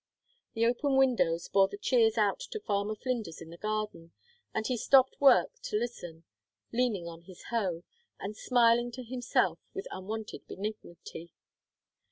The open windows bore the cheers out to Farmer Flinders in the garden, and he stopped work to listen, leaning on his hoe, and smiling to himself with unwonted benignity.